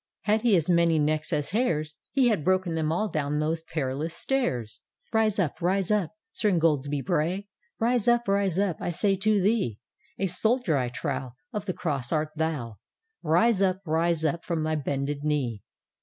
Had he as many necks as hairs, He had broken them all down those perilous^tairs T "" Rise up, rise up. Sir Ingoldsby Bray, Rise up, rise up, I say to thee; A soldier, I trow, Of the Cross art thou ; Rise up, rise up, from thy bended knee!